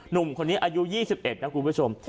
หนุ่มคนนี้อายุยี่สิบเอ็ดนะคุณผู้ชม